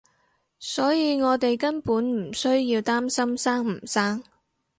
所以我哋根本唔需要擔心生唔生